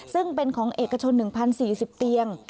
ซึ่งเป็นของเอกชนหนึ่งพันสี่สิบเตียง